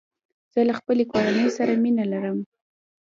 زه له خپلي کورنۍ سره مينه لرم